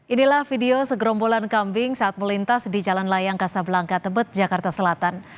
inilah video segerombolan kambing saat melintas di jalan layang kasablangka tebet jakarta selatan